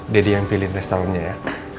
daddy yang pilih restaurantnya ya